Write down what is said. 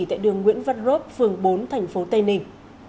tại đường nguyễn văn rốp phường bốn thành phố tây ninh